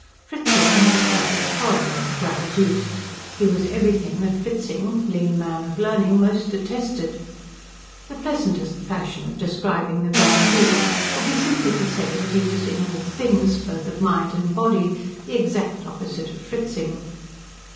Fritzing had a perfect horror of the Grand Duke. He was everything that Fritzing, lean man of learning, most detested. The pleasantest fashion of describing the Grand Duke will be simply to say that he was in all things, both of mind and body, the exact opposite of Fritzing.